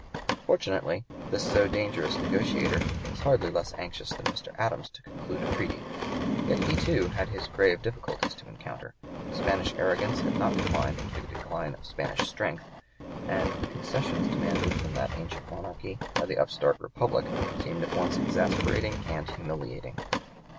Fortunately this so dangerous negotiator was hardly less anxious than Mr. Adams to conclude a treaty. Yet he, too, had his grave difficulties to encounter. Spanish arrogance had not declined with the decline of Spanish strength, and the concessions demanded from that ancient monarchy by the upstart republic seemed at once exasperating and humiliating.